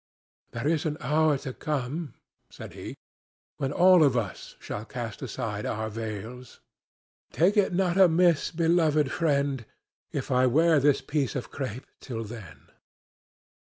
"There is an hour to come," said he, "when all of us shall cast aside our veils. Take it not amiss, beloved friend, if I wear this piece of crape till then."